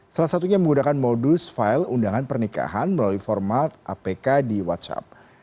salah satunya menggunakan modus file undangan pernikahan melalui format apk di whatsapp